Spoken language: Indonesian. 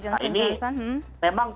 nah ini memang